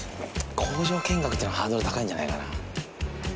工場見学ってハードル高いんじゃないかな？